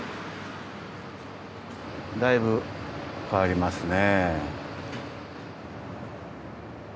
だいぶ変わりますね。